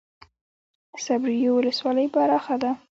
صبریو ولسوالۍ پراخه ده؟